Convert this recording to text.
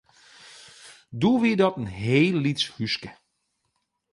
Doe wie dat in heel lyts húske.